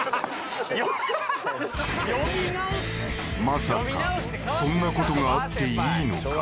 まさかそんなことがあっていいのか？